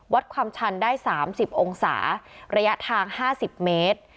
วัดความชันได้สามสิบองศาระยะทางห้าสิบเมตร